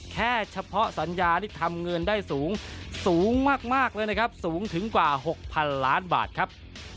แค่เฉพาะสัญญานี่ทำเงินได้สูงสูงมากเลยนะครับสูงถึงกว่า๖๐๐๐ล้านบาทครับ